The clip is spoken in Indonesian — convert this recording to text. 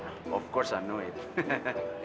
tentu saja saya tahu